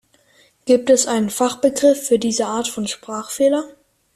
Gibt es einen Fachbegriff für diese Art von Sprachfehler?